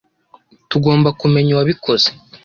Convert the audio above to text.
tugomba kumenya uwabikoze